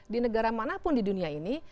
di negara manapun di dunia ini